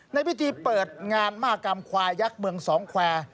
ในพิธีเปิดงานมหากรรมควายยักษ์เมืองสองแควร์